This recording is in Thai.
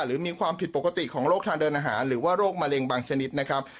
หรือมีความผิดปกติของโรคทางเดินอาหารหรือว่าโรคมะเร็งบางชนิดนะครับ